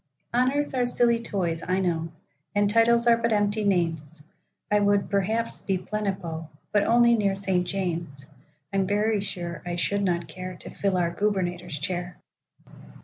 Honors are silly toys, I know, And titles are but empty names;I would, perhaps, be Plenipo,—But only near St. James; I'm very sure I should not careTo fill our Gubernator's chair.